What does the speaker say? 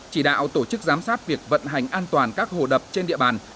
chỉ đạo tổ chức giám sát việc vận hành an toàn các hồ đập trên địa bàn